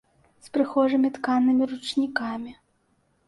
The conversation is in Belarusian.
З прыгожымі тканымі ручнікамі.